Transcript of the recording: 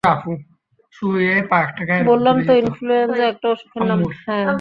বললাম তো ইনফ্লুয়েঞ্জা একটা অসুখের নাম।